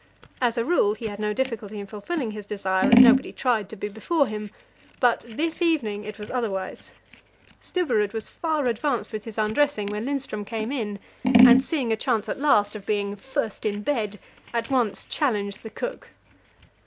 As a rule, he had no difficulty in fulfilling his desire, as nobody tried to be before him; but this evening it was otherwise. Stubberud was far advanced with his undressing when Lindström came in, and, seeing a chance at last of being "first in bed," at once challenged the cook.